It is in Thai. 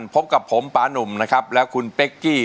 พบกับผมปานุ่มและคุณเป๊กกี้